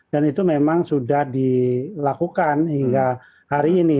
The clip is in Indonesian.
dan itu memang sudah dilakukan hingga hari ini